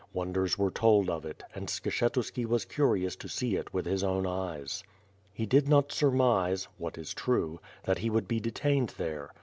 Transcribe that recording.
Wonders were told of it, and Skshetuski was curious to see it with his own eyes. He did not surmise (what is true) that he would be de tained there.